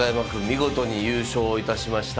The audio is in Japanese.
見事に優勝いたしました。